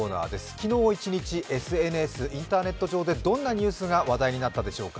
昨日一日ＳＮＳ、インターネット上でどんなニュースが話題になったでしょうか。